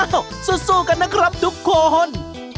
สู้กันนะครับทุกคน